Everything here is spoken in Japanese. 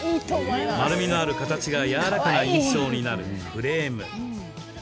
丸みのある形が柔らかな印象になるフレーム。